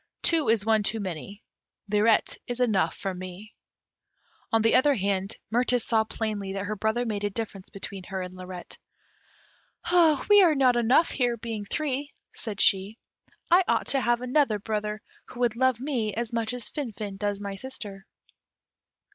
Two is one too many Lirette is enough for me." On the other hand, Mirtis saw plainly that her brother made a difference between her and Lirette. "We are not enough here, being three," said she. "I ought to have another brother, who would love me as much as Finfin does my sister."